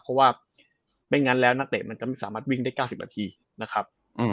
เพราะว่าไม่งั้นแล้วนักเตะมันจะไม่สามารถวิ่งได้๙๐นาทีนะครับ